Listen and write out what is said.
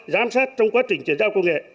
giám sát trong quá trình chuyển giao công nghệ